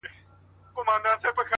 • گرانه شاعره صدقه دي سمه،